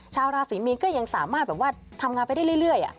ชาวราศรีมีนก็ยังสามารถแบบว่าทำงานไปได้เรื่อย